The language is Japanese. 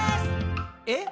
「え？